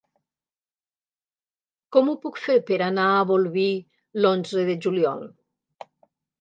Com ho puc fer per anar a Bolvir l'onze de juliol?